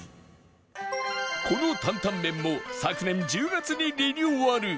この担々麺も昨年１０月にリニューアル